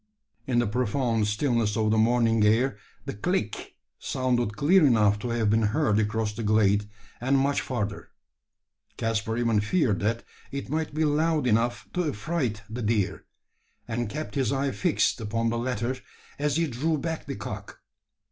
In the profound stillness of the morning air the "click" sounded clear enough to have been heard across the glade, and much further. Caspar even feared that it might be loud enough to affright the deer; and kept his eye fixed upon the latter as he drew back the cock.